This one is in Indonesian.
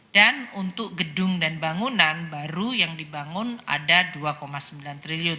dan untuk gedung dan bangunan baru yang dibangun ada dua sembilan triliun